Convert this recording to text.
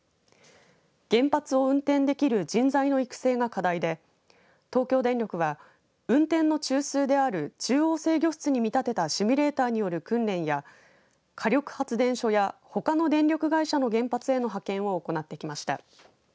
原発を運転できる人材の育成が課題で東京電力は、運転の中枢である中央制御室に見立てたシミュレーターによる訓練や火力発電所やほかの電力会社の原発への派遣を行ってきました。